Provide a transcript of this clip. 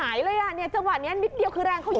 เลยอ่ะเนี่ยจังหวะนี้นิดเดียวคือแรงเขาเยอะ